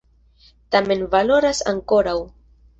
Tamen valoras ankoraŭ!